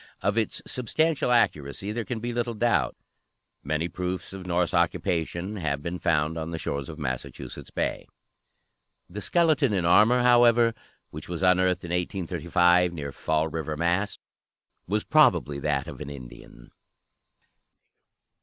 Of its substantial accuracy there can be little doubt. Many proofs of Norse occupation have been found on the shores of Massachusetts Bay. The "skeleton in armor," however, which was unearthed in 1835 near Fall River, Mass., was probably that of an Indian.